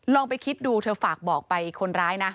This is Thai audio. ลองไปคิดดูเธอฝากบอกไปคนร้ายนะ